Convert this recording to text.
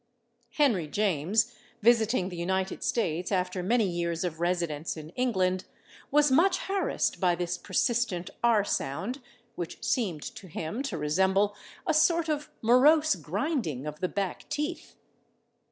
" Henry James, visiting the United States after many years of residence in England, was much harassed by this persistent /r/ sound, which seemed to him to resemble "a sort of morose grinding of the back teeth."